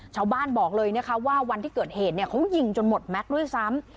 บอกเลยนะคะว่าวันที่เกิดเหตุเขายิงจนหมดแม็กซ์ด้วยซ้ำ